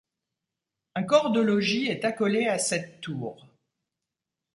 Un corps de logis est accolé à cette tour.